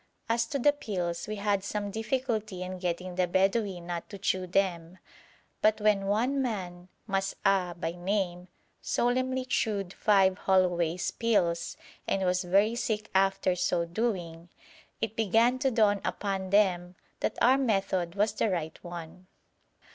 As to the pills, we had some difficulty in getting the Bedouin not to chew them, but when one man, Mas'ah by name, solemnly chewed five Holloway's pills and was very sick after so doing, it began to dawn upon them that our method was the right one.